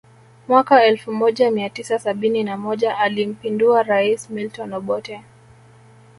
Mwaka elfu moja Mia tisa sabini na moja alimpindua rais Milton Obote